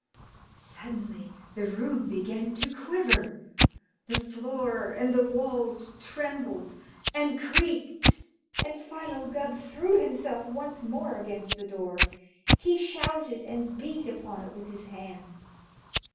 Suddenly the room began to quiver. The floor and the walls trembled and creaked, and Philo Gubb threw himself once more against the door. He shouted and beat upon it with his hands.